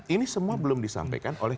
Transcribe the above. ini semua belum disampaikan oleh